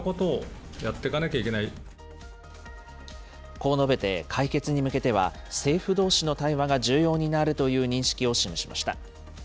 こう述べて、解決に向けては政府どうしの対話が重要になるという認識を示しました。